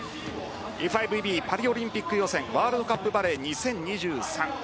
ＦＩＶＢパリオリンピック予選ワールドカップバレー２０２３。